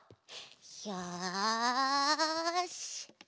よし。